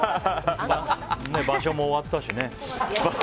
場所も終わったしね。